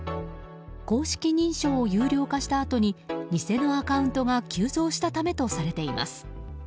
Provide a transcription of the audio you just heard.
公式認証を有料化したあとに偽のアカウントが急増したためとされています。